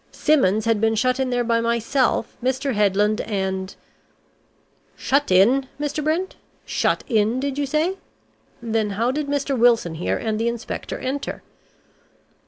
"Simmons had been shut in there by myself, Mr. Headland, and " "Shut in, Mr. Brent? Shut in, did you say? Then how did Mr. Wilson here, and the inspector enter?"